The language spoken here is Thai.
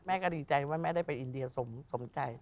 ดีใจว่าแม่ได้ไปอินเดียสมใจ